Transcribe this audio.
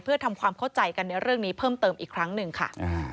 เพื่อทำความเข้าใจกันในเรื่องนี้เพิ่มเติมอีกครั้งหนึ่งค่ะ